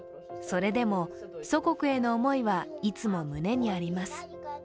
それでも祖国への思いはいつも胸にあります。